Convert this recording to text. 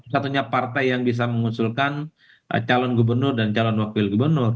satunya partai yang bisa mengusulkan calon gubernur dan calon wakil gubernur